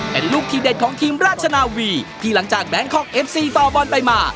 เป็นลูกทีเด็ดของทีมราชนาวีที่หลังจากแบงคอกเอฟซีต่อบอลไปมา